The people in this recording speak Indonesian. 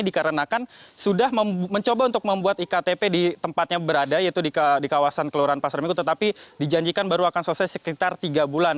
dikarenakan sudah mencoba untuk membuat iktp di tempatnya berada yaitu di kawasan kelurahan pasar minggu tetapi dijanjikan baru akan selesai sekitar tiga bulan